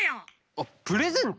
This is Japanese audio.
あっプレゼント？